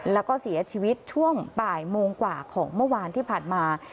แล้วก็เสียชีวิตช่วงบ่ายโมงกว่าของเมื่อวานที่ผ่านมา